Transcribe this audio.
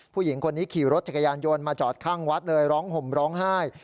ผู้หญิงคนนี้ขี่รถจักรยานยนต์มาจอดข้างวัดเลยร้องห่มร้องไห้